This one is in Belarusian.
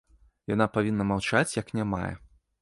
Яна павінна маўчаць, як нямая.